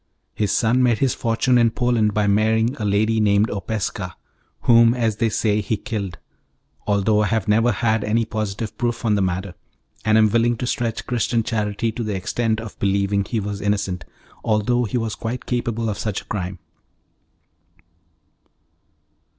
His son made his fortune in Poland by marrying a lady named Opeska, whom, as they say, he killed, though I have never had any positive proof on the matter, and am willing to stretch Christian charity to the extent of believing he was innocent, although he was quite capable of such a crime.